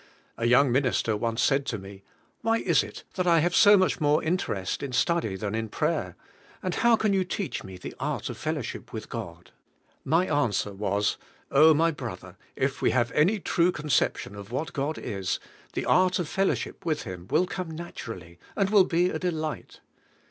A young minister once said to me, "Why is it that I have so much more interest in study than in pra3^er, and how can you teach me the art of fellowship with God?" My answer was: "Oh, my brother, if we have any true con ception of what God is, the art of fellowship with Him will come naturally, and will be a delight."